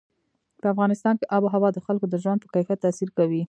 په افغانستان کې آب وهوا د خلکو د ژوند په کیفیت تاثیر کوي.